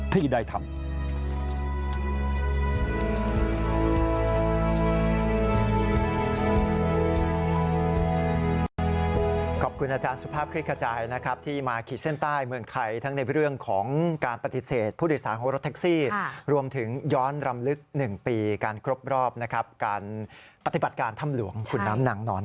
ที่ได้ทำ